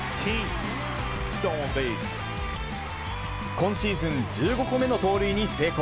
今シーズン１５個目の盗塁に成功。